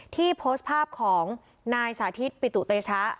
ที่โพสต์ภาพของนายสาธิตปิตุเตชะ